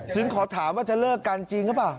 ขอถามว่าจะเลิกกันจริงหรือเปล่า